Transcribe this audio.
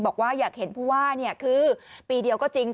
บอกว่าอยากเห็นผู้ว่าคือปีเดียวก็จริง